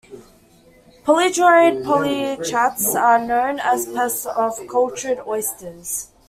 Polydorid polychaetes are known as pests of cultured oysters.